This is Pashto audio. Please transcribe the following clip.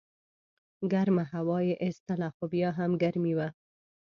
ګرمه هوا یې ایستله خو بیا هم ګرمي وه.